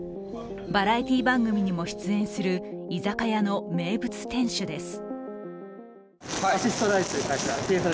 バラエティー番組にも出演する居酒屋の名物店主です。